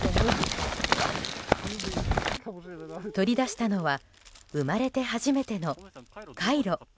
取り出したのは生まれて初めてのカイロ。